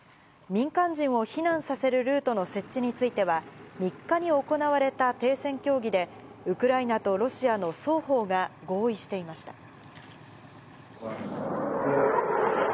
民間人を避難させるルートの設置については、３日に行われた停戦協議で、ウクライナとロシアの双方が合意していました。